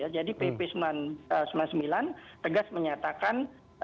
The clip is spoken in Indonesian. jadi pp sembilan sembilan dua ribu dua belas tegas menyatakan